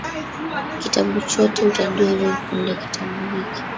kitabu chote utajua hivi punde Kitabu hiki